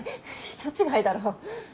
人違いだろ。